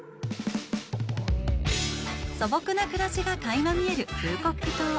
素朴な暮らしがかいま見えるフーコック島。